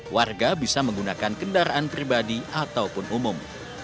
warga bisa menggunakan kendaraan pribadi ataupun umum